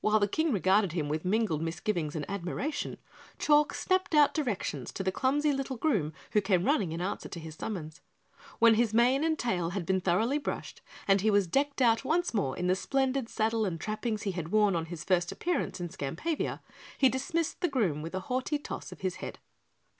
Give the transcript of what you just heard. While the King regarded him with mingled misgivings and admiration, Chalk snapped out directions to the clumsy little groom who came running in answer to his summons. When his mane and tail had been thoroughly brushed and he was decked out once more in the splendid saddle and trappings he had worn on his first appearance in Skampavia, he dismissed the groom with a haughty toss of his head.